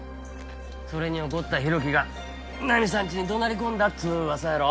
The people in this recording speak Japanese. それに怒った浩喜がナミさんちに怒鳴り込んだっつう噂やろ。